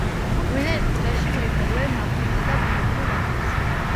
გვინეის ყურეში მოიპოვებენ ნავთობსა და ბუნებრივ აირს.